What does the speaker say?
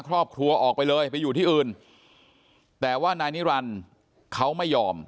ครอบครัวออกไปเลยไปอยู่ที่อื่นแต่ว่านายนิรันดิ์เขาไม่ยอม